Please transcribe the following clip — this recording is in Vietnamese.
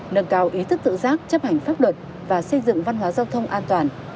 nâng cao ý thức tự giác chấp hành pháp luật và xây dựng văn hóa giao thông an toàn